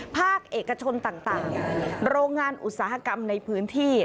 ภาคเอกชนต่างโรงงานอุตสาหกรรมในพื้นที่